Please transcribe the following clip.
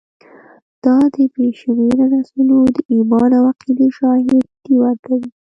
دا د بې شمېره نسلونو د ایمان او عقیدې شاهدي ورکوي.